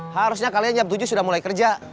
harusnya kalian jam tujuh sudah mulai kerja